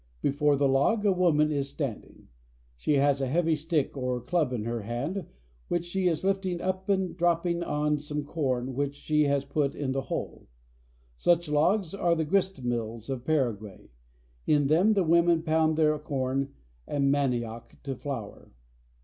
Before the log a woman is standing. She has a heavy stick or club in her hand, which she is lifting up and dropping on some corn which she has put in the hole. Such logs are the grist mills of Paraguay. In them the women pound their corn and manioc to flour.